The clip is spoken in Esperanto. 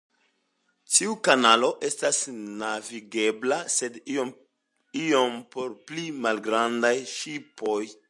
Tiu kanalo estas navigebla, sed iom por pli malgrandaj ŝipoj.